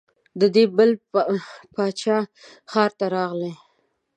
د دې بل باچا ښار ته راغلې.